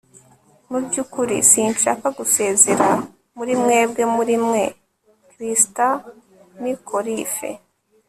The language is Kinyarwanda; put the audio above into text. mu byukuri sinshaka gusezera muri mwebwe muri mwe - christa mcauliffe